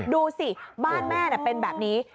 ดูสิบ้านแม่เป็นแบบนี้